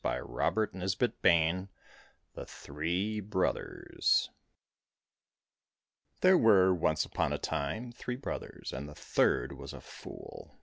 163 THE THREE BROTHERS THE THREE BROTHERS THERE were, once upon a time, three brothers, and the third was a fool.